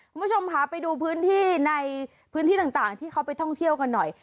คุณผู้ชมค่ะไปดูพื้นที่ในพื้นที่ต่างที่เขาไปท่องเที่ยวกันหน่อย